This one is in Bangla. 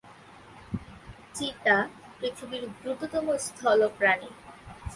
চিতা পৃথিবীর দ্রুততম স্থল প্রাণী।